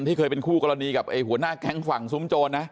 เคยเป็นคู่กรณีกับหัวหน้าแก๊งฝั่งซุ้มโจรนะ